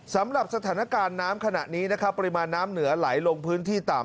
สำหรับสถานการณ์น้ำขณะนี้นะครับปริมาณน้ำเหนือไหลลงพื้นที่ต่ำ